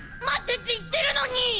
待てって言ってるのに！